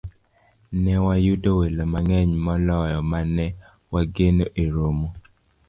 ne wayudo welo mang'eny moloyo ma ne wageno e romo